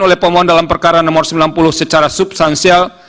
oleh pemohon dalam perkara nomor sembilan puluh secara substansial